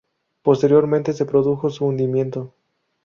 Posteriormente se produjo su hundimiento.